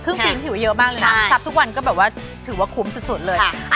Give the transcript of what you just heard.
ครึ่งปีมผิวเยอะบ้างนะซับทุกวันก็แบบว่าถือว่าคุ้มสุดเลยค่ะ